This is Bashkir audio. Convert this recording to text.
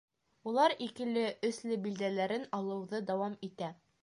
Улар «икеле», «өслө» билдәләрен алыуҙы дауам итә.